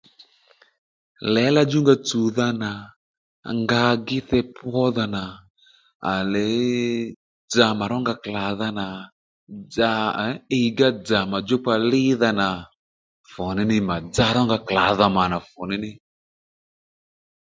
Lěla djúnga tsùwdha nà nga gíte pwódha nà à leee dza mà ró nga klàdha nà dza ee iygá dzà mà djúkpa lídha nà fu ní ní mà dzarónga mà klàdha nà funíní